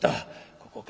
ここか。